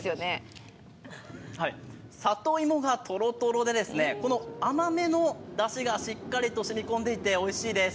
里芋がとろとろで、この甘めのだしがしっかりと染みこんでいておいしいです。